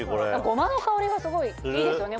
ごまの香りがすごいいいですよね。